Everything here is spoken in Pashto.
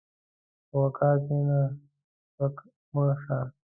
په وقار کښېنه، سپک مه شه.